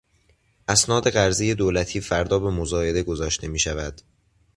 اسناد قرضهی دولتی فردا به مزایده گذاشته میشود.